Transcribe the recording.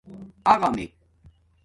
اغݳمک